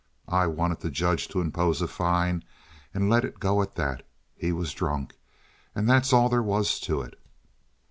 I wanted the judge to impose a fine and let it go at that. He was drunk, and that's all there was to it."